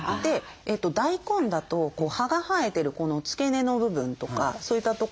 大根だと葉が生えてるこの付け根の部分とかそういったところ。